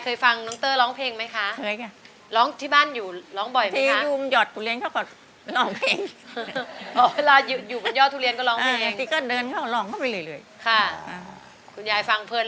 ก็แซวเขาใช่ไหมบอกว่าอ่าไงล้องทั้งวันอะค่ะคุณยายอืม